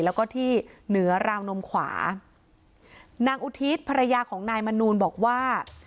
แล้วก็ที่เหนือราวนมขวานางอุทิศภรรยาของนายมนูลบอกว่า